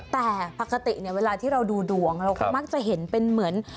แต่ปกติเนี่ยเวลาที่เราดูดวงเราก็มักจะเห็นเป็นเหมือน